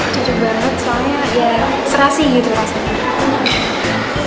cocok banget soalnya ya serasi gitu rasanya